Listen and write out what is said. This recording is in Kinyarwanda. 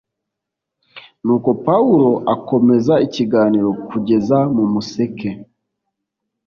nuko pawulo akomeza ikiganiro kugeza mu museke